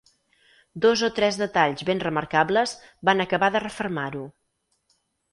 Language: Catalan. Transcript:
Dos o tres detalls ben remarcables van acabar de refermar-ho.